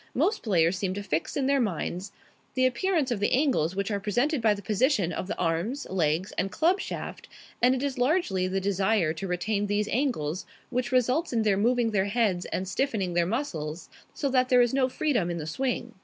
Most players seem to fix in their minds the appearance of the angles which are presented by the position of the arms, legs, and club shaft, and it is largely the desire to retain these angles which results in their moving their heads and stiffening their muscles so that there is no freedom in the swing.